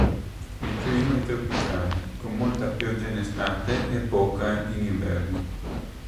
Il clima è tropicale, con molta pioggia in estate e poca in inverno.